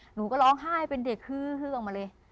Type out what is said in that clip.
หนูก็ร้องไห้เป็นเด็กฮือออกมาเลย